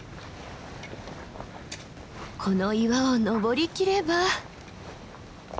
この岩を登りきれば。